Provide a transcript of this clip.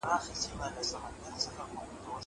که وخت وي، انځور ګورم!!